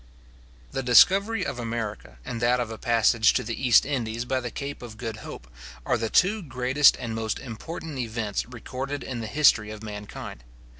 The discovery of America, and that of a passage to the East Indies by the Cape of Good Hope, are the two greatest and most important events recorded in the history of mankind.